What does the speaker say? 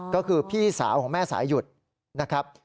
ก็คือพี่สาวของแม่สายหยุดนะครับ